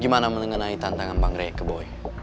gimana mengenai tantangan bang reyek ke boy